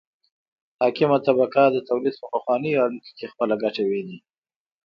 حاکمه طبقه د تولید په پخوانیو اړیکو کې خپله ګټه ویني.